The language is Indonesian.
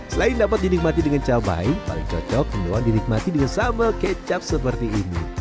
selain dapat dinikmati dengan cabai paling cocok mendoan dinikmati dengan sambal kecap seperti ini